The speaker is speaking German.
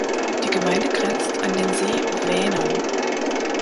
Die Gemeinde grenzt an den See Vänern.